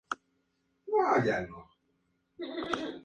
El Estado argentino asigna fondos públicos a la Iglesia católica.